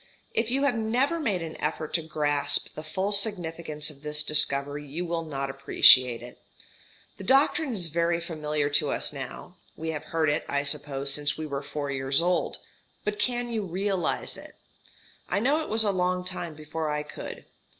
If you have never made an effort to grasp the full significance of this discovery you will not appreciate it. The doctrine is very familiar to us now, we have heard it, I suppose, since we were four years old, but can you realize it? I know it was a long time before I could.